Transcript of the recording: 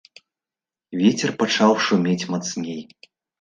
Вецер пачаў шумець мацней.